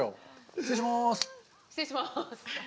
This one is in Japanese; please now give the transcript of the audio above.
失礼します！